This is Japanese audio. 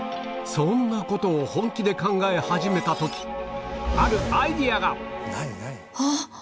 そんなことを本気で考え始めた時あるアイデアが！